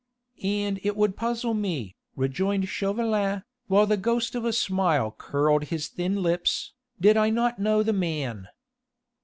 "And it would puzzle me," rejoined Chauvelin, while the ghost of a smile curled his thin lips, "did I not know the man.